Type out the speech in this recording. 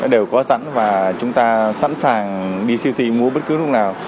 đều có sẵn và chúng ta sẵn sàng đi siêu thị mua bất cứ lúc nào